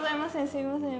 すみません